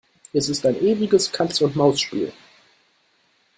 Es ist ein ewiges Katz-und-Maus-Spiel.